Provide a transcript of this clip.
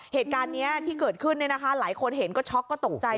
เหตุการณ์นี้ที่เกิดขึ้นหลายคนเห็นก็ช็อกก็ตกใจ